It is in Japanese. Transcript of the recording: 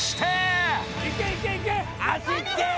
足つけ！